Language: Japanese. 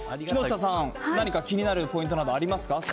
木下さん、何か気になるポイントなど、ありますか？